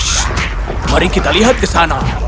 nah mari kita lihat ke sana